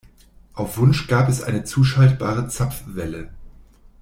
Auf Wunsch gab es eine zuschaltbare Zapfwelle.